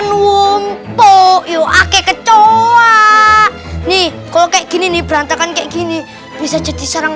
mumpuk yuake kecoh nih kok kayak gini berantakan kayak gini bisa jadi sarang